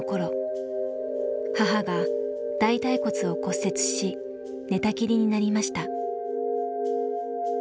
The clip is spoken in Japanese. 母が大腿骨を骨折し寝たきりになりました。